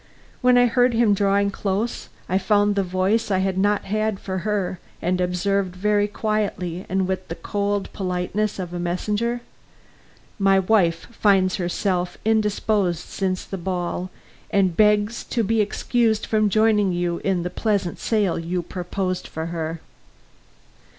When I heard him drawing close, I found the voice I had not had for her, and observed very quietly and with the cold politeness of a messenger: "My wife finds herself indisposed since the ball, and begs to be excused from joining you in the pleasant sail you proposed to her."